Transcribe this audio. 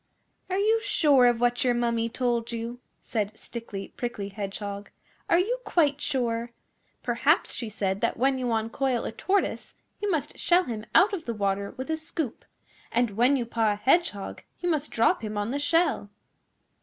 'Are you sure of what your Mummy told you?' said Stickly Prickly Hedgehog. 'Are you quite sure? Perhaps she said that when you uncoil a Tortoise you must shell him out the water with a scoop, and when you paw a Hedgehog you must drop him on the shell.